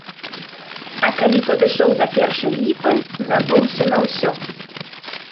А калі падышоў да першай ліпы, забыўся на ўсё.